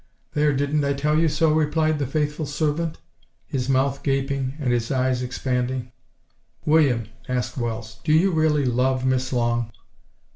"There, didn't I tell you so?" replied the faithful servant, his mouth gaping and his eyes expanding. "William," asked Wells, "do you really love Miss Long?"